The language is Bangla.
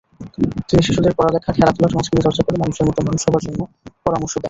তিনি শিশুদের পড়ালেখা, খেলাধুলা, সংস্কৃতিচর্চা করে মানুষের মতো মানুষ হওয়ার জন্য পরামর্শ দেন।